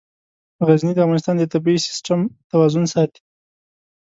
غزني د افغانستان د طبعي سیسټم توازن ساتي.